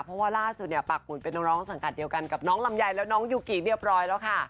เพราะว่าล่าสุดเนี่ยปากหุ่นเป็นน้องสังกัดเดียวกันกับน้องลำไยและน้องยูกิเรียบร้อยแล้วค่ะ